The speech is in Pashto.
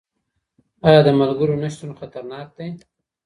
آيا د ملګرو نشتون خطرناک دی؟